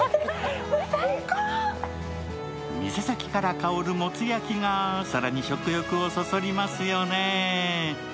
店先から香るもつ焼が更に食欲をそそりますよね。